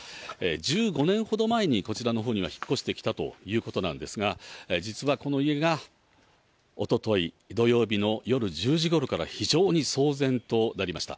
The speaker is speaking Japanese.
１５年ほど前にこちらのほうには引っ越してきたということなんですが、実は、この家がおととい土曜日の夜１０時ごろから、非常に騒然となりました。